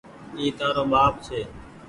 اي تآرو ٻآپ ڇي۔